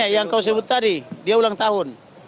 yang kau sebut tadi dia ulang tahun